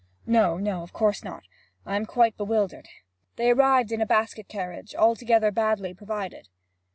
'No, no; of course not. I am quite bewildered. They arrived in a basket carriage, altogether badly provided?'